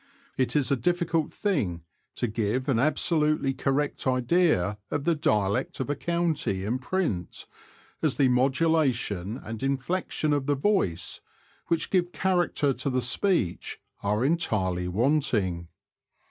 It is a difficult thing to give an absolutely correct idea of the dialect of a county in print, as the modulation and inflection of the voice, which give character to the speech, are entirely wanting.